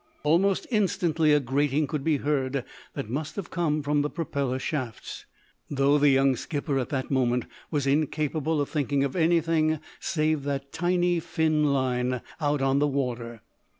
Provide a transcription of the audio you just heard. Almost instantly a grating could be heard that must have come from the propeller shafts, though the young skipper, at that moment, was incapable of thinking of anything save that tiny fin line out on the water.